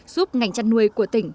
giúp ngành chăn nuôi của tỉnh